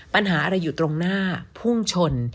ปัญหาอะไรอยู่ตรงหน้าพุ่งชน